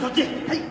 はい。